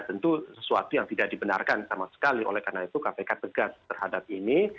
tentu sesuatu yang tidak dibenarkan sama sekali oleh karena itu kpk tegas terhadap ini